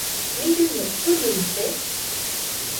Mirɨño ɨnɨite?